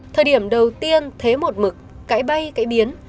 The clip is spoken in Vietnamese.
thời điểm đầu tiên thế một mực cãi bay cãi biến